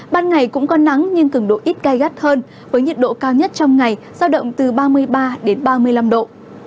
ban ngày cũng có nắng nhưng cứng độ ít gai gắt hơn với nhiệt độ cao nhất trong ngày do động từ ba mươi ba ba mươi năm độ